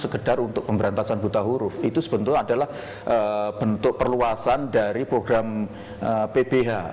sekedar untuk pemberantasan buta huruf itu sebetulnya adalah bentuk perluasan dari program pbh